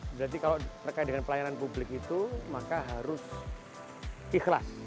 berarti kalau terkait dengan pelayanan publik itu maka harus ikhlas